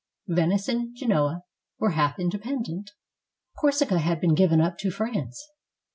Venice and Genoa were half independent; Corsica had been given up to France.